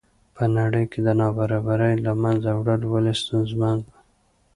په نړۍ کې د نابرابرۍ له منځه وړل ولې ستونزمن دي.